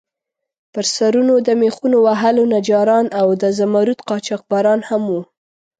پر سرونو د میخونو وهلو نجاران او د زمُردو قاچاقبران هم وو.